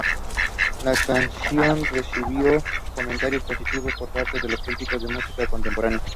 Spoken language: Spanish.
La canción recibió comentarios positivos por parte de los críticos de música contemporánea.